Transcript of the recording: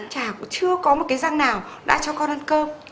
chả có một cái răng nào đã cho con ăn cơm